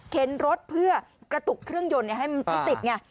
รถเพื่อกระตุกเครื่องยนต์ให้มันไม่ติดไง